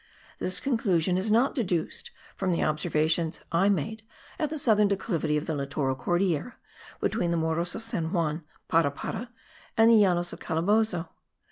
This conclusion is not deduced from the observations I made at the southern declivity of the littoral Cordillera, between the Morros of San Juan, Parapara and the Llanos of Calabozo.